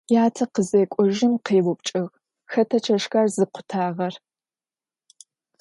Yate khızek'ojım khêupçç'ığ: «Xeta çeşşker zıkhutağer?»